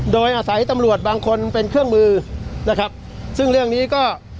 โดยอาศัยตำรวจบางคนเป็นเครื่องมือนะครับซึ่งเรื่องนี้ก็